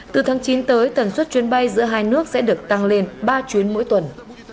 từ tháng chín tới tần suất chuyến bay giữa hai nước sẽ được tăng lên ba chuyến mỗi tuần